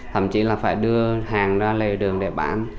thậm chí là phải đưa hàng ra lề đường để bán